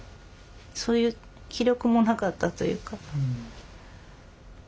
そういう気力もなかったというか。